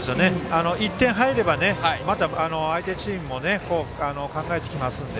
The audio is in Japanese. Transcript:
１点入ればまた相手チームも考えてきますので。